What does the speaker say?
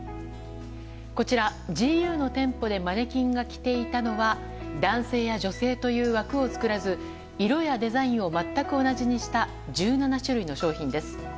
こちら、ＧＵの店舗でマネキンが着ていたのは男性や女性という枠を作らず色やデザインを全く同じにした１７種類の商品です。